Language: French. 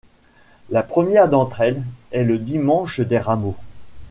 La première d'entre elles est le dimanche des Rameaux.